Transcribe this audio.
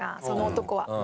その男は。